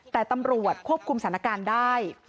แต่ตำรวจควบคุมสถานการณ์ได้